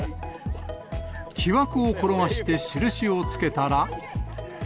木枠を転がして印をつけたら。